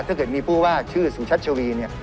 ถ้าเกิดมีผู้ว่าชื่อสุชัชวีเนี่ย